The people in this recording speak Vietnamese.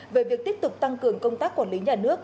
về việc tiếp tục tăng cường công tác quản lý nhà nước